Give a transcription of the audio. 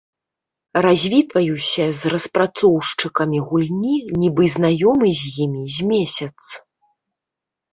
Развітваюся з распрацоўшчыкамі гульні, нібы знаёмы з імі з месяц.